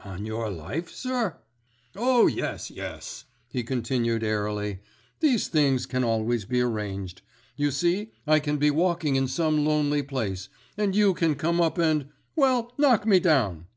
"On your life, sir?" "Oh, yes, yes," he continued airily. "These things can always be arranged. You see, I can be walking in some lonely place, and you can come up and—well, knock me down."